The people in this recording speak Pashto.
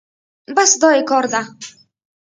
بس دا يې کار ده.